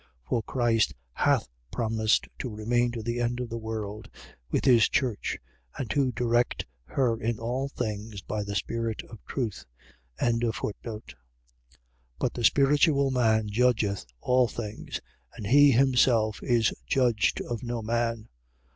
For Christ hath promised to remain to the end of the world with his church, and to direct her in all things by the Spirit of truth. 2:15. But the spiritual man judgeth all things: and he himself is judged of no man.